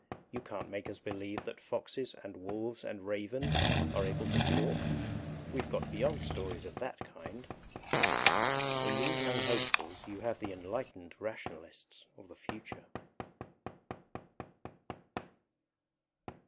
You can't make us believe that foxes and wolves and ravens are able to talk; we've got beyond stories of that kind_! In these young hopefuls you have the enlightened Rationalists of the future.